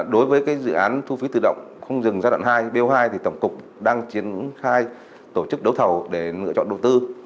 đối với dự án thu phí tự động không dừng giai đoạn hai b hai thì tổng cục đang triển khai tổ chức đấu thầu để lựa chọn đầu tư